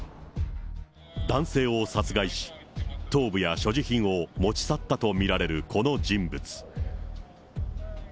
頭部や所持品を持ち去ったと見られるこの人物。